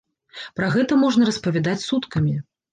Пра гэта можна распавядаць суткамі.